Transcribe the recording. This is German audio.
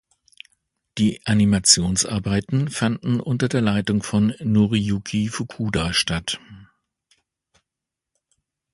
Die Animationsarbeiten fanden unter der Leitung von Noriyuki Fukuda statt.